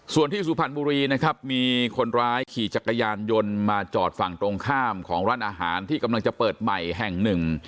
ส่วนที่สุพรรณบุรีนะครับมีคนร้ายขี่จักรยานยนต์มาจอดฝั่งตรงข้ามของร้านอาหารที่กำลังจะเปิดใหม่แห่งหนึ่ง